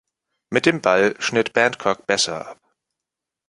Mit dem Ball schnitt Bandcock besser ab.